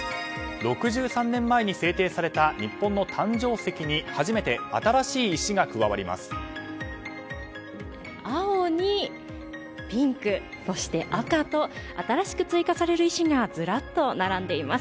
６３年前に制定された日本の誕生石に初めて新しい石が青にピンクそして赤と新しく追加される石がずらっと並んでいます。